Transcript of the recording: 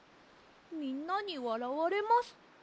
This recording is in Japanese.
みんなにわらわれます。